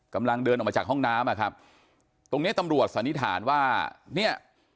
กำลังเดินออกมาจากห้องน้ำอ่ะครับตรงเนี้ยตำรวจสันนิษฐานว่าเนี่ย